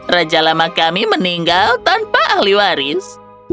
raja lama kami meninggal tanpa ahli waris